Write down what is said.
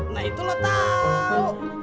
nah itu lu tau